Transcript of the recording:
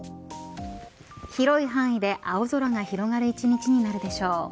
広い範囲で青空が広がる１日になるでしょう。